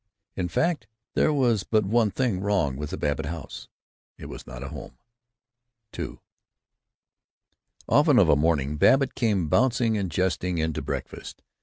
In fact there was but one thing wrong with the Babbitt house: It was not a home. II Often of a morning Babbitt came bouncing and jesting in to breakfast.